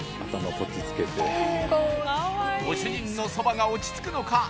こっちつけてご主人のそばが落ち着くのか